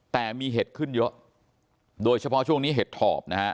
แต่มีเห็ดขึ้นเยอะโดยเฉพาะช่วงนี้เห็ดถอบนะฮะ